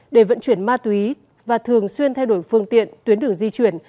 để vận chuyển ma túy và thường xuyên thay đổi phương tiện tuyến đường di chuyển